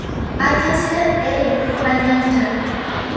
I consider Eric my mentor.